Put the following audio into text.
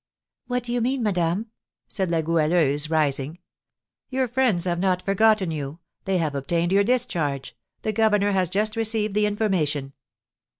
"What do you mean, madame?" said La Goualeuse, rising. "Your friends have not forgotten you, they have obtained your discharge; the governor has just received the information."